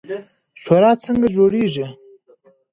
شورا څنګه جوړیږي؟